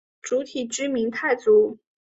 主体居民傣族。